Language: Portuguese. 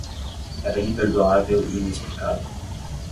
Era imperdoável e inexplicável.